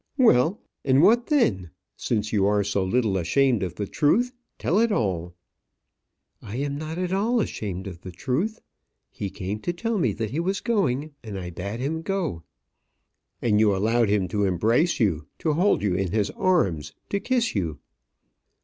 "Well, and what then? Since you are so little ashamed of the truth, tell it all." "I am not at all ashamed of the truth. He came to tell me that he was going and I bade him go." "And you allowed him to embrace you to hold you in his arms to kiss you?"